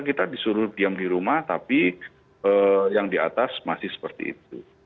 kita disuruh diam di rumah tapi yang di atas masih seperti itu